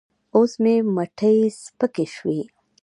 اوس مې مټې سپکې شوې.